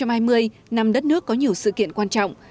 năm hai nghìn hai mươi năm đất nước có nhiều sự kiện quan trọng